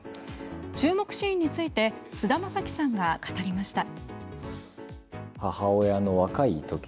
注目シーンについて菅田将暉さんが語りました。